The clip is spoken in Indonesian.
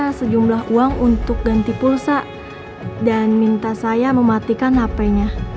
dia beri saya sejumlah uang untuk ganti pulsa dan minta saya mematikan hpnya